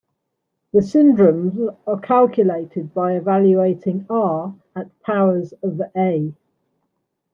The syndromes are calculated by evaluating "r" at powers of "α".